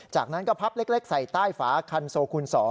จากนั้นก็พับเล็กใส่ใต้ฝาคันโซคูณ๒